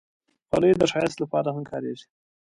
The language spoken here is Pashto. خولۍ د ښایست لپاره هم کارېږي.